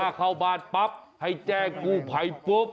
ถ้าเข้าบ้านปั๊บให้แจ้งกู้ภัยปุ๊บ